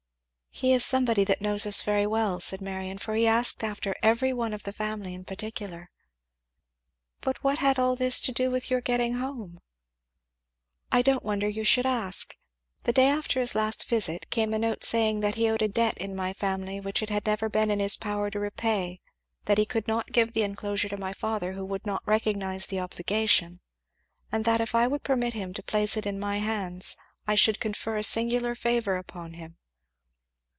"He is somebody that knows us very well," said Marion, "for he asked after every one of the family in particular." "But what had all this to do with your getting home?" "I don't wonder you ask. The day after his last visit came a note saying that he owed a debt in my family which it had never been in his power to repay; that he could not give the enclosure to my father, who would not recognize the obligation; and that if I would permit him to place it in my hands I should confer a singular favour upon him."